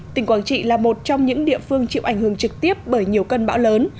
tỉnh quảng trị là một trong những địa phương chịu ảnh hưởng trực tiếp bởi nhiều cơn bão lớn